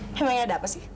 emang ada apa sih